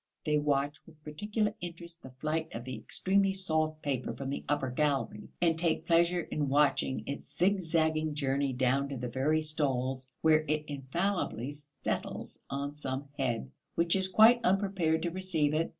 They watch with particular interest the flight of the extremely soft paper from the upper gallery, and take pleasure in watching its zigzagging journey down to the very stalls, where it infallibly settles on some head which is quite unprepared to receive it.